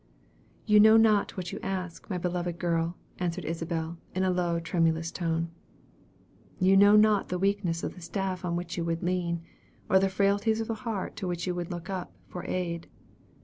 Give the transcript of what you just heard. "You know not what you ask, my beloved girl," answered Isabel, in a low and tremulous tone. "You know not the weakness of the staff on which you would lean, or the frailties of the heart to which you would look up, for aid.